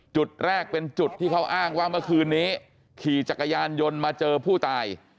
จุดแรกเป็นจุดที่เขาอ้างว่าเมื่อคืนนี้ขี่จักรยานยนต์มาเจอผู้ตาย